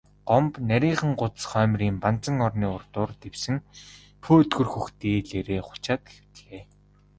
Гомбо нарийхан гудас хоймрын банзан орны урдуур дэвсэн пөөдгөр хөх дээлээрээ хучаад хэвтлээ.